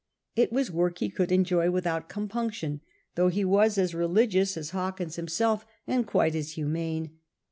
It was work he could enjoy without compunction,' though he was as religious as Hawkins himself and quite as humane.